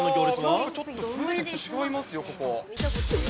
あー、なんかちょっと雰囲気違いますよ、ここ。